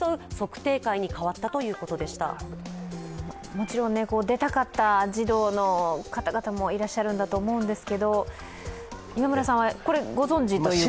もちろん出たかった児童の方々もいらっしゃるんだと思いますけど今村さんは、これ、ご存じということで？